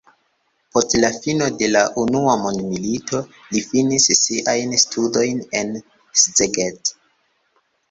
Post la fino de la unua mondmilito li finis siajn studojn en Szeged.